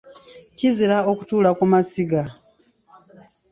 Kizira okutuula ku masiga.